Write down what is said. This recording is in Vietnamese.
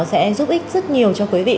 sẽ giúp ích rất nhiều cho quý vị